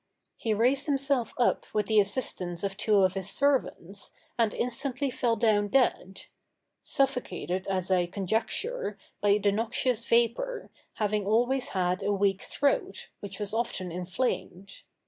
He raised himself up with the assistance of two of his servants, and instantly fell down dead; suffocated, as I conjecture, by the noxious vapor, having always had a weak throat, which was often inflamed.